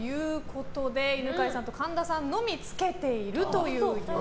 犬飼さんと神田さんのみつけているという予想。